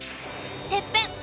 てっぺん。